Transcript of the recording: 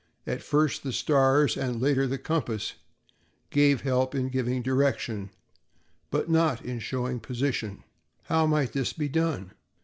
At first, the stars, and later the compass gave help in giving direction but not in showing position. How might this be done?